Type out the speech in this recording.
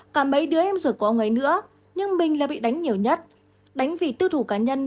cả mấy đứa em ruột của ông ấy nữa nhưng mình lại bị đánh nhiều nhất đánh vì tư thủ cá nhân